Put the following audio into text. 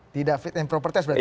tidak fit and propertes berarti